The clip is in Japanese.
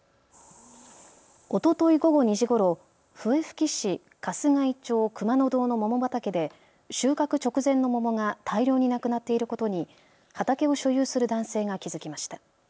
おととい午後２時ごろ、笛吹市春日居町熊野堂の桃畑で収穫直前の桃が大量になくなっていることに畑を所有する男性が気付きました。